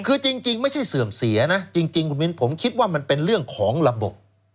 คือจริงไม่ใช่เสื่อมเสียนะจริงคุณมินผมคิดว่ามันเป็นเรื่องของระบบ